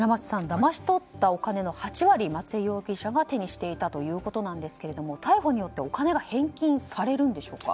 だまし取ったお金の８割を松江容疑者が手にしていたということですが逮捕によってお金は返金されるんでしょうか？